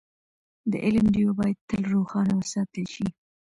د علم ډېوه باید تل روښانه وساتل شي.